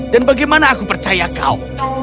dan bagaimana aku percaya kau